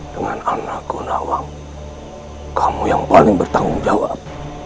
dengan anakku nawang kamu yang paling bertanggung jawab